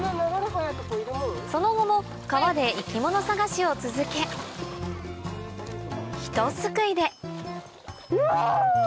その後も川で生き物探しを続けひとすくいでうわ！